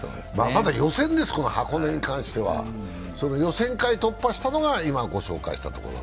まだ予選です、この箱根に関してはその予選会を突破したのが、今ご紹介したところ。